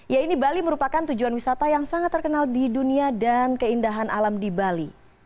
ya ini bali merupakan tujuan wisata yang sangat terkenal di dunia dan keindahan alam di bali